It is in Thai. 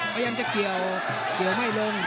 พยายามจะเกี่ยวเกี่ยวไม่ลง